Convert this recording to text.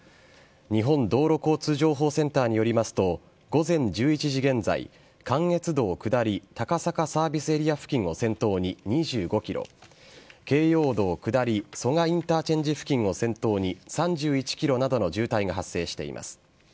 日本道路交通情報センターによりますと、午前１１時現在関越道下り高坂サービスエリア付近を先頭に２５ｋｍ京葉道下り蘇我インターチェンジ付近を先頭に３１ｋｍなどの渋滞が発生しています。